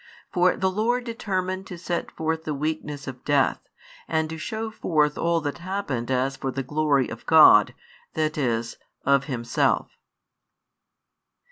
For the Lord determined to set forth the weakness of death, and to shew forth all that happened as for the glory of God, that is, of Himself.